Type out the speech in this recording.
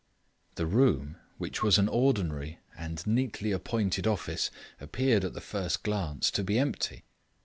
The room, which was an ordinary and neatly appointed office, appeared, at the first glance, to be empty.